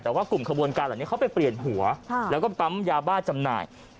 แต่ว่ากลุ่มขบวนการเหล่านี้เขาไปเปลี่ยนหัวแล้วก็ปั๊มยาบ้าจำหน่าย